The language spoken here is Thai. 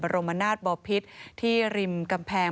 รมนาศบอพิษที่ริมกำแพง